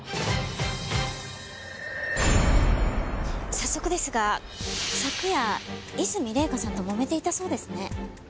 早速ですが昨夜和泉礼香さんともめていたそうですね。